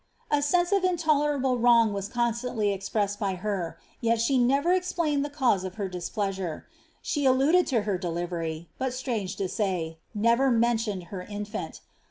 A sense of intolerable wrong was con •tantly expressed by her, yet she never explained the cause of her dis Dleasure. She alluded to her delivery, but, strange to say, never men tioned her infant.